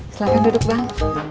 silahkan duduk bang